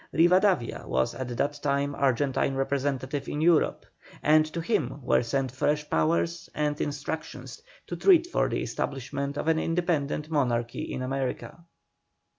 Rivadavia was at that time Argentine representative in Europe, and to him were sent fresh powers and instructions to treat for the establishment of an independent monarchy in America.